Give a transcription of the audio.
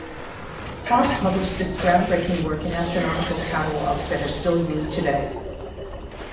Hogg published this groundbreaking work in astronomical catalogues that are still used today.